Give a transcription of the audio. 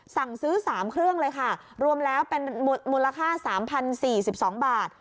สั่งซื้อ๓เครื่องเลยค่ะรวมแล้วเป็นมูลค่า๓๐๔๒บาท